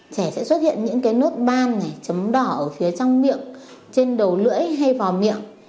trẻ sẽ xuất hiện những cái nước ban này chấm đỏ ở phía trong miệng trên đầu lưỡi hay vò miệng